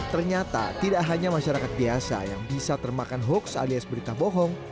ternyata tidak hanya masyarakat biasa yang bisa termakan hoax alias berita bohong